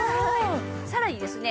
さらにですね